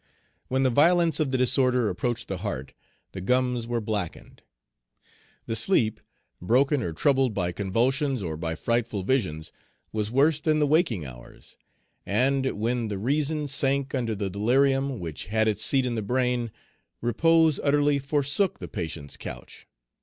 When the violence of the disorder approached the heart, the gums were blackened. The sleep, broken, or troubled by convulsions or by frightful visions, was worse than the waking hours, and when the reason sank under the delirium which had its seat in the brain, repose utterly forsook the patient's couch.